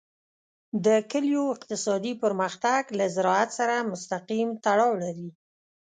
د کلیو اقتصادي پرمختګ له زراعت سره مستقیم تړاو لري.